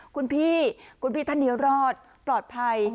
คุณพี่คุณพี่ท่านนี้รอดปลอดภัย